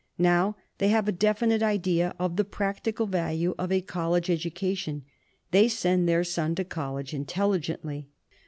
Now they have a definite idea of the practical value of a college edu cation, they send their son to college intelligently.